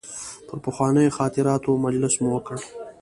پر پخوانیو خاطراتو مجلس مو وکړ.